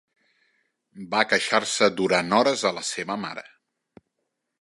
Va queixar-se durant hores a la seva mare.